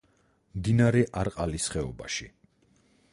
მდინარე არყალის ხეობაში.